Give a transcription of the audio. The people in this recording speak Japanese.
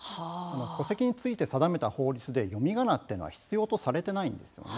戸籍について定めた法律で読みがなというのは必要とされていないんです。